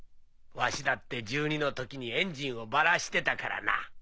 わしだって１２の時にエンジンをバラしてたからな。